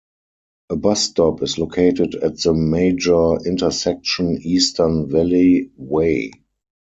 A bus stop is located at the major intersection Eastern Valley Way.